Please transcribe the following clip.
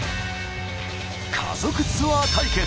家族ツアー対決。